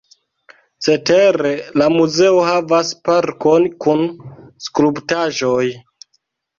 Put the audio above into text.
Cetere la muzeo havas parkon kun skulptaĵoj.